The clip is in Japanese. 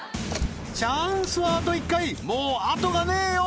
チャンスはあと１回もうあとがねえよ